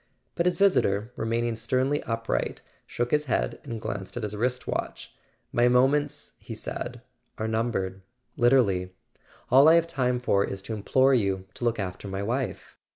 But his visitor, remaining sternly upright, shook his head and glanced at his wrist watch. "My moments,"he said, "are numbered—literally; all I have time for is to implore you to look after my wife."